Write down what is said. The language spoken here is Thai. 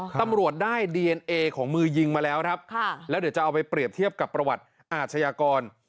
ตำรวจได้ดีเอนเอของมือยิงมาแล้วครับค่ะแล้วเดี๋ยวจะเอาไปเปรียบเทียบกับประวัติอาชญากร